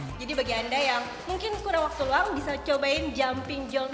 jadi bagi anda yang mungkin kurang waktu luang bisa cobain jumping john